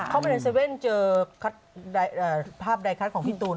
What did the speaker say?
เข้าไปใน๗๑๑เจอภาพใดคัดของพี่ตูน